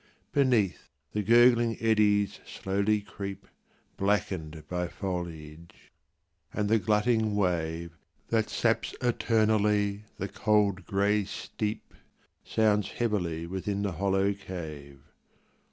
Beneath, the gurgling eddies slowly creep, Blackeníd by foliage; and the glutting wave, That saps eternally the cold grey steep, Sounds heavily within the hollow cave.